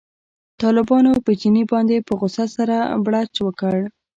طالبانو په چیني باندې په غوسه سره بړچ وکړ.